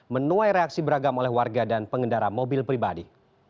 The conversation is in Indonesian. menuai reaksi beragam oleh warga dan pengendara mobil pribadi